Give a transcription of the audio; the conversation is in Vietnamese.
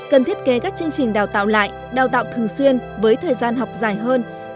cần thiết kế các chương trình đào tạo lại đào tạo thường xuyên với thời gian học dài hơn